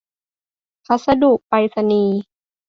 พัสดุไปรษณีย์